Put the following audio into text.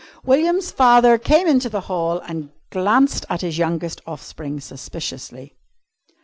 William's father came into the hall and glanced at his youngest offspring suspiciously.